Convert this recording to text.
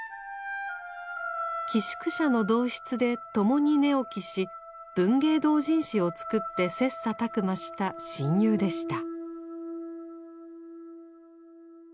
寄宿舎の同室で共に寝起きし文芸同人誌を作って切磋琢磨した親友でした。